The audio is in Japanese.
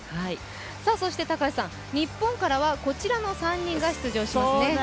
そして高橋さん、日本からはこちらの３人が登場しますね。